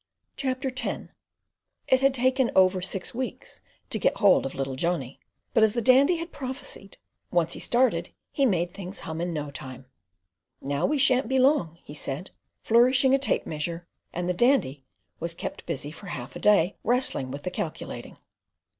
CHAPTER X It had taken over six weeks to "get hold of little Johnny"; but as the Dandy had prophesied, once he started, he "made things hum in no time." "Now we shan't be long," he said, flourishing a tape measure; and the Dandy was kept busy for half a day, "wrestling with the calculating."